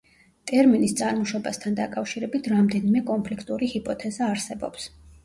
ტერმინის წარმოშობასთან დაკავშირებით რამდენიმე კონფლიქტური ჰიპოთეზა არსებობს.